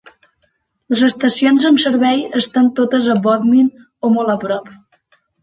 Les estacions amb servei estan totes a Bodmin o molt a prop.